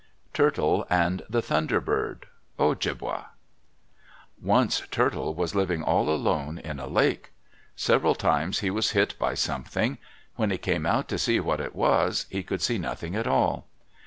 TURTLE AND THE THUNDER BIRD Ojibwa Once Turtle was living all alone in a lake. Several times he was hit by something. When he came out to see what it was, he could see nothing at all.